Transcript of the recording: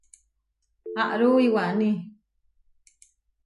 Aarú iwaní.